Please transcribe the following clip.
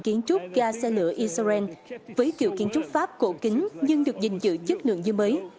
kiến trúc ga xe lửa israel với kiểu kiến trúc pháp cổ kính nhưng được gìn giữ chất lượng như mới